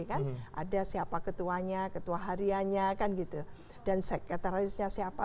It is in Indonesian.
ada siapa ketuanya ketua harianya dan sekretarisnya siapa